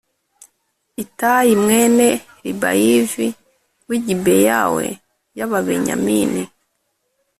itayi mwene ribayiv w i gibeyaw y ababenyamini